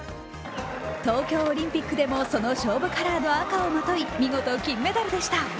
東京オリンピックでもその勝負カラーの赤をまとい、見事金メダルでした。